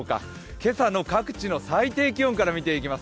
今朝の各地の最低気温から見ていきます。